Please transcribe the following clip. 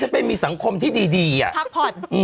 ให้กันไปมีสังคมที่ดีพักผล